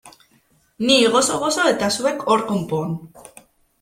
Ni gozo-gozo eta zuek hor konpon!